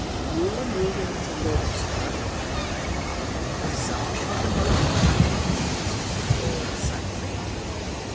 "You needn't look startled, my friend. Some of the most common things store sunlight.